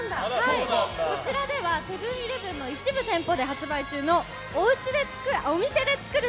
こちらではセブン‐イレブンの一部店舗で発売中のお店で作る！